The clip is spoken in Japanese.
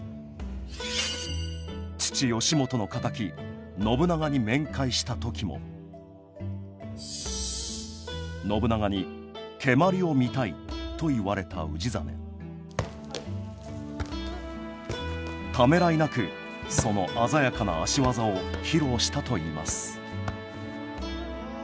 父義元の敵信長に面会した時も信長に「蹴鞠を見たい」と言われた氏真ためらいなくその鮮やかな足技を披露したといいますお！